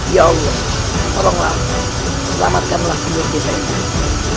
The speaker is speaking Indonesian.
ya allah tolonglah selamatkanlah penyihir desa ini